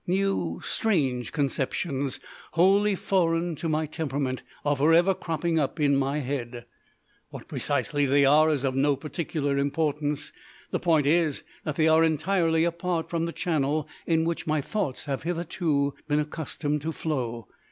New, strange conceptions, wholly foreign to my temperament, are for ever cropping up in my head. What precisely they are is of no particular importance. The point is that they are entirely apart from the channel in which my thoughts have hitherto been accustomed to flow.